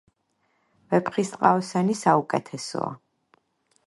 ვეფხისტყაოსანი საუკეთესოა..!